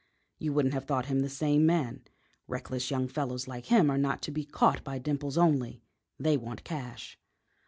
You wouldn't have thought him the same man. Reckless young fellows like him are not to be caught by dimples only. They want cash."